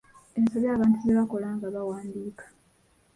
Ensobi abantu ze bakola nga bawandiika.